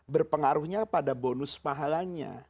berpengaruhnya pada bonus mahalannya